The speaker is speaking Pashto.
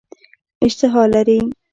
اشتها لري.